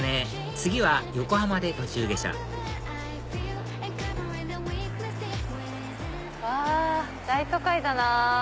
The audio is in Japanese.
次は横浜で途中下車うわ大都会だな。